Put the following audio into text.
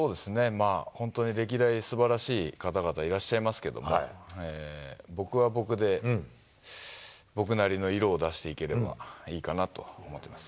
まあ、本当に歴代すばらしい方々いらっしゃいますけども、僕は僕で僕なりの色を出していければいいかなとは思ってます。